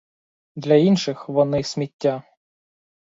Для інших вони — сміття.